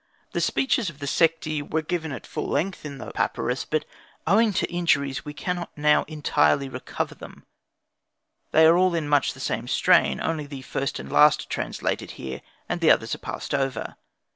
The speeches of the Sekhti were given at full length in the papyrus, but owing to injuries we cannot now entirely recover them; they are all in much the same strain, only the first and last are translated here, and the others are passed over.